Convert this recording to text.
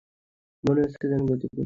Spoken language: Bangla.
মনে হচ্ছে যেন গতকালই করেছি।